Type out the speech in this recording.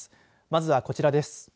まずはこちらです。